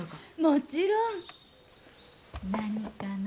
もちろん。何かな？